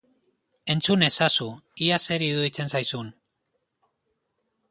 Entzun ezazu, ea zer iruditzen zaizun!